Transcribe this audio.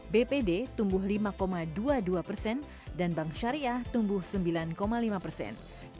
bpd tumbuh lima dua puluh dua persen dan bank syariah tumbuh sembilan lima persen